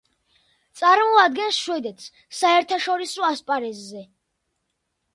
წარმოადგენს შვედეთს საერთაშორისო ასპარეზზე.